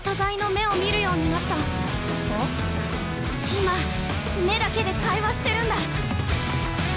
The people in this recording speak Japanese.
今目だけで会話してるんだ。